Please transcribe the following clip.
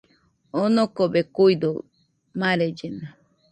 Onokobe kuido, marellena